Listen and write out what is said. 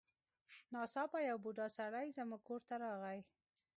ناڅاپه یو بوډا سړی زموږ کور ته راغی.